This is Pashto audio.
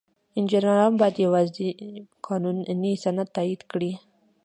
انجینران باید یوازې قانوني سندونه تایید کړي.